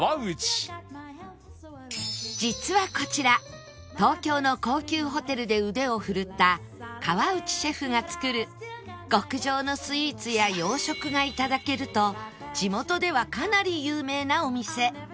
実はこちら東京の高級ホテルで腕を振るった河内シェフが作る極上のスイーツや洋食が頂けると地元ではかなり有名なお店